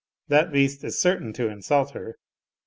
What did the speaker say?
That beast is certain to insult her.